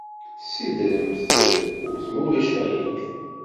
Ssidremt tazewwut, ma ulac aɣilif.